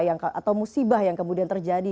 atau musibah yang kemudian terjadi